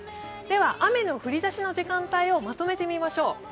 雨の振り出しの時間帯をまとめてみましょう。